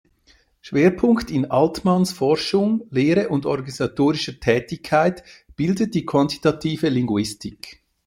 Schwerpunkt in Altmanns Forschung, Lehre und organisatorischer Tätigkeit bildet die Quantitative Linguistik.